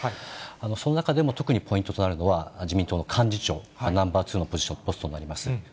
その中でも特にポイントとなるのは、自民党の幹事長、ナンバー２のポジション、ポストになります。